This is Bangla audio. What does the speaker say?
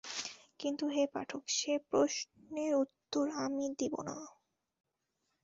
কিন্তু হে পাঠক, সে প্রশ্নের উত্তর আমি দিব না।